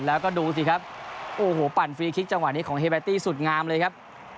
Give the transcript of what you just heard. แล้วก็ดูสิครับโอ้โหปั่นฟรีคลิกจังหวะนี้ของเฮเบตตี้สุดงามเลยครับ